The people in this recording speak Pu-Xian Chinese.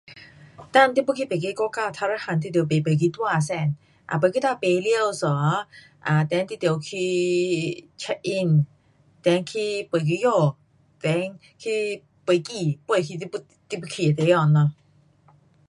当你要去别的国家，第一样是你要买飞机单先，啊飞机单买完一下，啊 then 你得去 check in，then 去飞机场，then 去飞机，飞去你要，你要去的地方咯。